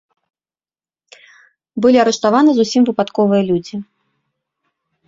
Былі арыштаваны зусім выпадковыя людзі.